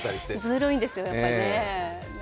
ずるいんですよ、やっぱね。